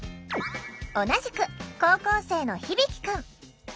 同じく高校生のひびき君。